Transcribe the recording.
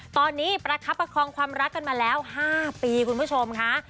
ตอนนี้ประคับประคองความรักกันมาแล้ว๕ปีคุณผู้ชมค่ะ